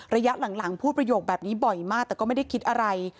ระยะหลังพูดประโยคแบบนี้บ่อยมากแต่ก็ไม่ได้คิดอะไร